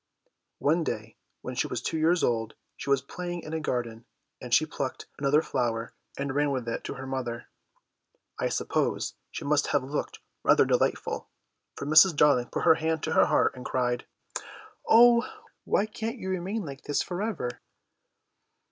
One day when she was two years old she was playing in a garden, and she plucked another flower and ran with it to her mother. I suppose she must have looked rather delightful, for Mrs. Darling put her hand to her heart and cried, "Oh, why can't you remain like this for ever!"